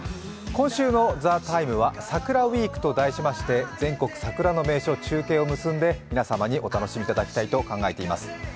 今週の「ＴＨＥＴＩＭＥ，」は桜ウイークと題しまして、全国桜の名所、中継を結んで皆さんに楽しんでいただきたいと思います。